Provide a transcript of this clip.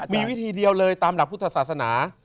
มีวิธีเดียวเลยตามหลักพุทธศาสนา